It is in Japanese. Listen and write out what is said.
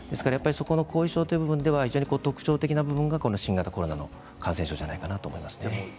後遺症という部分では特徴的な部分が新型コロナの感染症じゃないかなと思います。